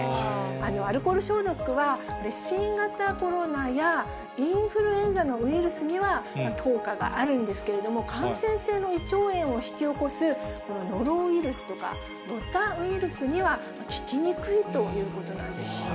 アルコール消毒は、新型コロナやインフルエンザのウイルスには効果があるんですけれども、感染性の胃腸炎を引き起こす、ノロウイルスとか、ロタウイルスには効きにくいということなんですよね。